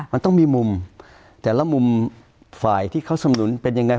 มันต้องมีมุมแต่ละมุมฝ่ายที่เขาสำนุนเป็นยังไง